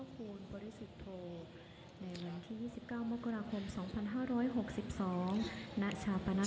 ในวันที่สิบเก้ามกราคมสองพันห้าร้อยหกสิบสอง